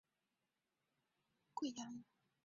仁义镇为湖南省桂阳县所辖镇。